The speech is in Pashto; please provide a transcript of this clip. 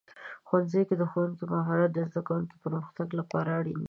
ښوونځي کې د ښوونکو مهارت د زده کوونکو پرمختګ لپاره اړین دی.